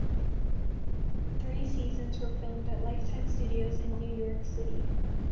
Three seasons were filmed at Lifetime Studios in New York City.